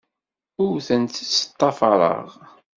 Ur tent-ttḍafareɣ.